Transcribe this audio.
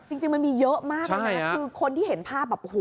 จริงมันมีเยอะมากเลยนะคือคนที่เห็นภาพ